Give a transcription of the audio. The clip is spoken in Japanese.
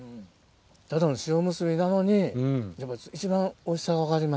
ただの塩むすびなのにやっぱ一番おいしさが分かりますね。